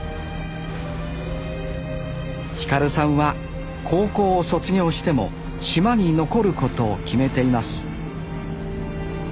輝さんは高校を卒業しても島に残ることを決めています